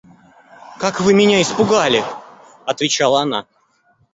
Как вы меня испугали, — отвечала она.